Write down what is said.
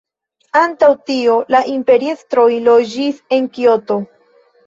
Antaŭ tio la imperiestroj loĝis en Kioto.